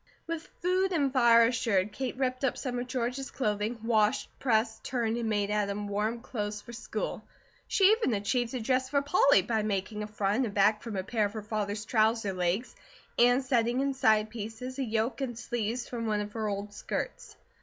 With food and fire assured, Kate ripped up some of George's clothing, washed, pressed, turned, and made Adam warm clothes for school. She even achieved a dress for Polly by making a front and back from a pair of her father's trouser legs, and setting in side pieces, a yoke and sleeves from one of her old skirts.